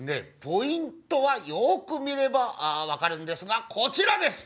ポイントはよく見ればわかるんですがこちらです！